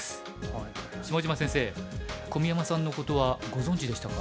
下島先生小宮山さんのことはご存じでしたか？